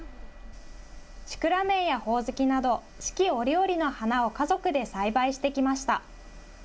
シクラメンやほおずきなど、四季折々の花を家族で栽培してきました。